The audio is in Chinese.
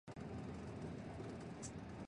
宽和是日本的年号。